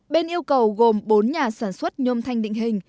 bên yêu cầu gồm bốn nhà sản xuất nhôm thanh định hình